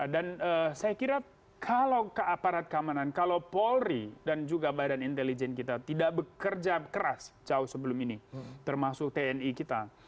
saya kira kalau ke aparat keamanan kalau polri dan juga badan intelijen kita tidak bekerja keras jauh sebelum ini termasuk tni kita